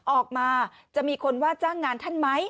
ออกมาจะมีคนว่าจ้างงานท่านไหม